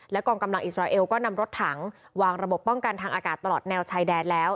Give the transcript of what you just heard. กองกำลังอิสราเอลก็นำรถถังวางระบบป้องกันทางอากาศตลอดแนวชายแดนแล้ว